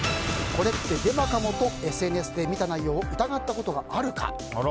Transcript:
これってデマかも？とＳＮＳで見た内容を疑ったことがあるか。